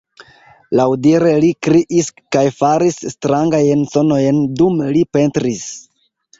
Laŭdire li kriis kaj faris strangajn sonojn dum li pentris.